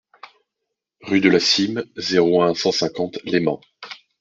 Rue de la Cîme, zéro un, cent cinquante Leyment